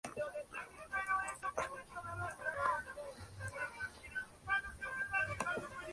Thomson, Antonio Escobar y Carlos Monsiváis.